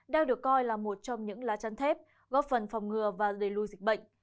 đang được coi là một trong những lá chăn thép góp phần phòng ngừa và lây lùi dịch bệnh